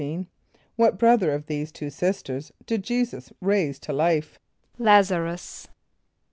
= What brother of these two sisters did J[=e]´[s+]us raise to life? =L[)a]z´a r[)u]s.